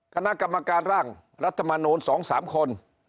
คณะกรรมการร่างรัฐมนูล๒๓คน